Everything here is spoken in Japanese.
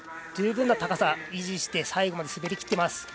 十分な高さを維持して最後まで滑りきっています。